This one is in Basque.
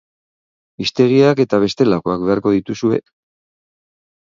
Hiztegiak eta bestelakoak beharko dituzue.